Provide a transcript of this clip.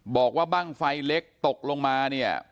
บอกว่าบ้างไฟเล็กตกลงมาเนี่ย